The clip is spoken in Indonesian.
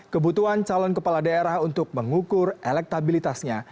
kebutuhan calon kepala daerah untuk mengukur elektabilitasnya